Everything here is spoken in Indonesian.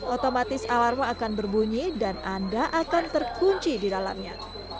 otomatis alarma akan berbunyi dan anda akan terkunci di dalamnya